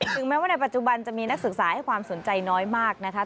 ถึงแม้ว่าในปัจจุบันจะมีนักศึกษาให้ความสนใจน้อยมากนะคะ